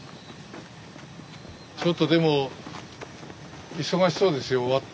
ちょっとでも忙しそうですよ終わって。